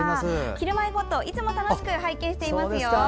「ひるまえほっと」いつも楽しく拝見していますよ。